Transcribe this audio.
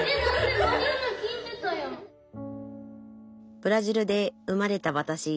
ブラジルで生まれたわたし。